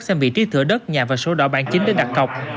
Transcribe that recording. xem vị trí thửa đất nhà và số đỏ bản chính để đặt cọc